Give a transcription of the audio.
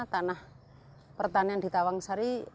tanah pertanian di tawang sari